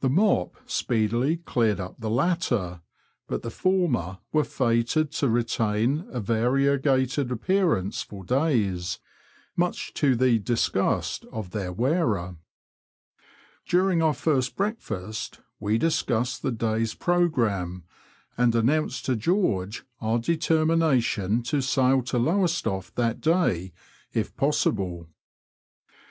The mop speedily cleared up the latter, but the former were fated to retain a variegated appearance for days — much to the disgust of their wearer. During our first breakfast we discussed the day's pro gramme, and announced to George our determination to sail to Lowestoft that day if possible.